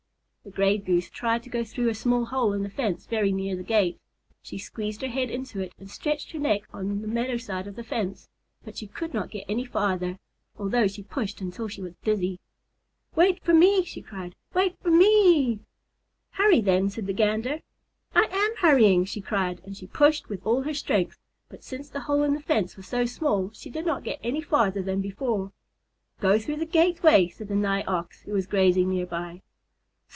The Gray Goose tried to go through a small hole in the fence very near the gate. She squeezed her head into it and stretched her neck on the meadow side of the fence, but she could not get any farther, although she pushed until she was dizzy. [Illustration: THE GRAY GOOSE TRIED TO GO THROUGH.] "Wait for me," she cried. "Wait for me ee!" "Hurry, then," said the Gander. "I am hurrying," she cried, and she pushed with all her strength, but since the hole in the fence was so small, she did not get any farther than before. "Go through the gateway," said the Nigh Ox, who was grazing near by.